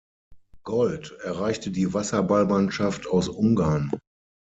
Gold erreichte die Wasserballmannschaft aus Ungarn.